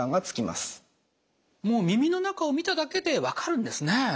もう耳の中を見ただけで分かるんですね。